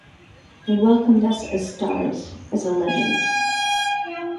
They welcomed us as stars, as a legend.